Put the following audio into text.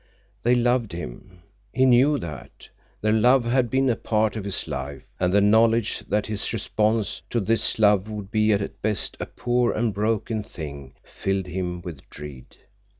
They loved him. He knew that. Their love had been a part of his life, and the knowledge that his response to this love would be at best a poor and broken thing filled him with dread.